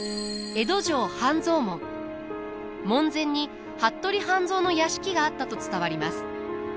門前に服部半蔵の屋敷があったと伝わります。